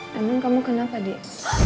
namun kamu kenapa dik